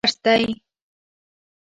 پښتونولي د مینې درس دی.